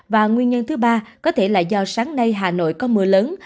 và nguyên nhân thứ ba có thể là do sáng nay hà nội có mưa lớn